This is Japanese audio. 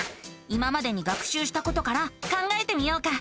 今までに学しゅうしたことから考えてみようか。